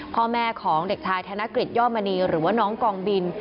พ่อแม่ของเด็กชายธนกฤษย่อมณีหรือว่าน้องกองบิน